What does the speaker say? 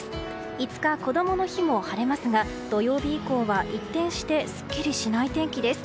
５日、こどもの日も晴れますが土曜日以降は一転してすっきりしない天気です。